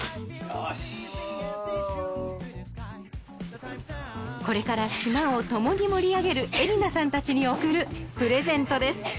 おこれから島をともに盛り上げるえりなさんたちに贈るプレゼントです